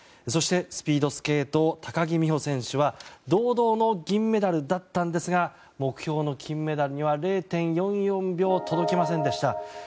そして、スピードスケート高木美帆選手は堂々の銀メダルだったんですが目標の金メダルには０．４４秒届きませんでした。